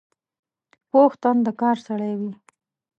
پوخ تن د کار سړی وي